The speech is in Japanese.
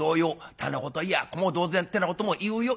店子といや子も同然ってなことも言うよ。